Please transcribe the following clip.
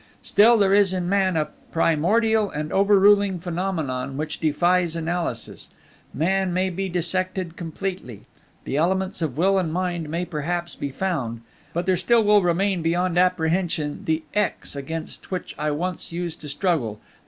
Still, there is in man a primordial and overruling phenomenon which defies analysis. Man may be dissected completely; the elements of Will and Mind may perhaps be found; but there still will remain beyond apprehension the x against which I once used to struggle.